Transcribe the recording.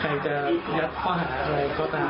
ใครต้องเลี้ยงข้อหารอะไรก็ตาม